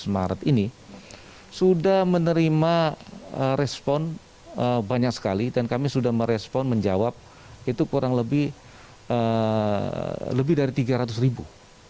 dua belas maret ini sudah menerima respon banyak sekali dan kami sudah merespon menjawab itu kurang lebih dari tiga ratus ribu